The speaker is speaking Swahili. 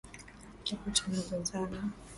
japo tunazozana